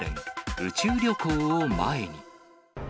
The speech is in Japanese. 宇宙旅行を前に。